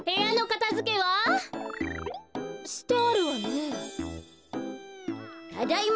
ただいま。